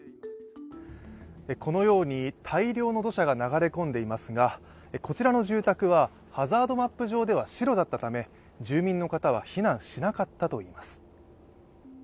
このように大量の土砂が流れ込んでいますがこちらの住宅は、ハザードマップ上では白だったため住民の方は避難しなかったといいます。